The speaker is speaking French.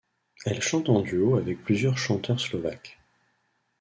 Elle chante en duo avec plusieurs chanteurs slovaques.